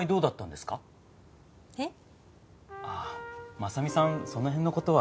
真実さんその辺の事は。